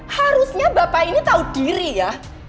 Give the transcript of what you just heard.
harusnya bapak ini tahu diri ya